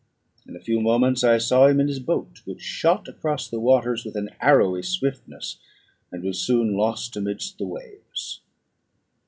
In a few moments I saw him in his boat, which shot across the waters with an arrowy swiftness, and was soon lost amidst the waves.